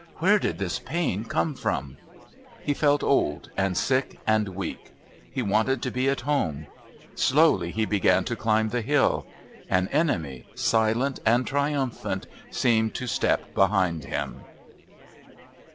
Where did this pain come from? He felt old and sick and weak. He wanted to be at home. Slowly he began to climb the hill. An enemy, silent and triumphant, seemed to step behind him.